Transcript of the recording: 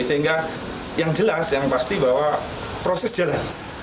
sehingga yang jelas yang pasti bahwa proses jalan